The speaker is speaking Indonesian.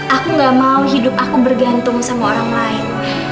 aku gak mau hidup aku bergantung sama orang lain